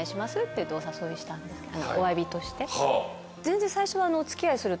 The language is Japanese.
言ってお誘いしたんですおわびとして。